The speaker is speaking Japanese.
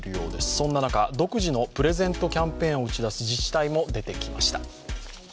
そんな中、独自のプレゼントキャンペーンを打ち出す自治体も出てきました。